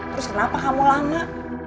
terus kenapa kamu lama